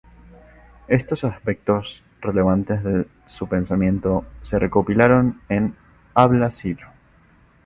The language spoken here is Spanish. Estos aspectos relevantes de su pensamiento se recopilaron en "Habla Silo".